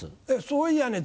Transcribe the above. そういやね